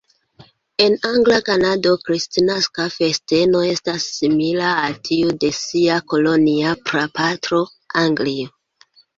En angla Kanado, kristnaska festeno estas simila al tiu de sia kolonia prapatro, Anglio.